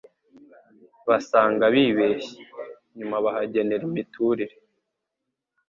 basanga bibeshye, nyuma bahagenera imiturire,